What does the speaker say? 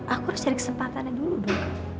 aku harus cari kesempatannya dulu dong